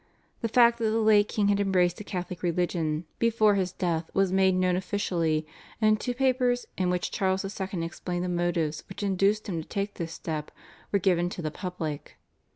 The fact that the late king had embraced the Catholic religion before his death was made known officially, and two papers, in which Charles II. explained the motives which induced him to take this step, were given to the public.